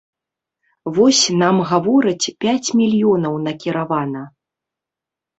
Вось, нам гавораць, пяць мільёнаў накіравана.